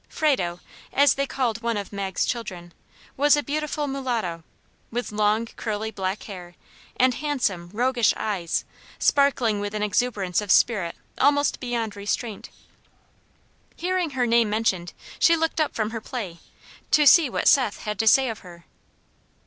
Frado, as they called one of Mag's children, was a beautiful mulatto, with long, curly black hair, and handsome, roguish eyes, sparkling with an exuberance of spirit almost beyond restraint. Hearing her name mentioned, she looked up from her play, to see what Seth had to say of her.